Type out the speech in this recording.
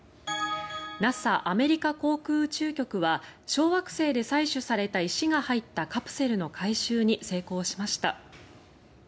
ＮＡＳＡ・アメリカ航空宇宙局は小惑星で採取された石が入ったカプセルの回収に成功しました。